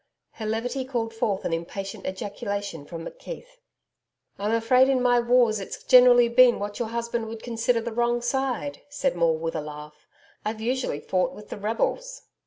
Her levity called forth an impatient ejaculation from McKeith. 'I'm afraid in my wars it's generally been what your husband would consider the wrong side,' said Maule with a laugh. 'I've usually fought with the rebels.'